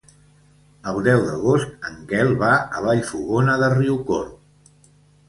El deu d'agost en Quel va a Vallfogona de Riucorb.